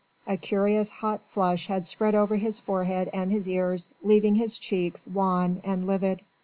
A curious hot flush had spread over his forehead and his ears, leaving his cheeks wan and livid.